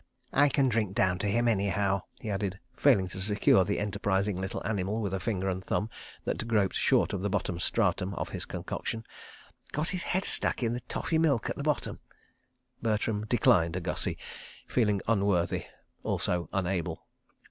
... I can drink down to him, anyhow," he added, failing to secure the enterprising little animal with a finger and thumb that groped short of the bottom stratum of his concoction. "Got his head stuck in the toffee milk at the bottom." Bertram declined a "Gussie," feeling unworthy, also unable.